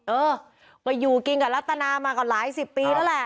เออก็อยู่กินกับรัตนามาก็หลายสิบปีแล้วแหละ